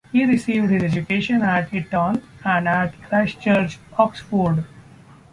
He received his education at Eton and at Christ Church, Oxford.